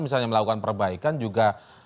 misalnya melakukan perbaikan juga